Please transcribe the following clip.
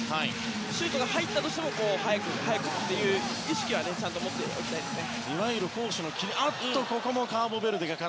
シュートが入ったとしても早く早くという意識はちゃんと持っておきたいですね。